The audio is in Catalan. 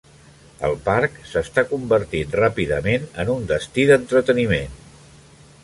El parc s'està convertint ràpidament en un destí d'entreteniment.